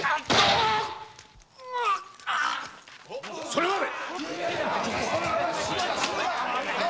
それまで！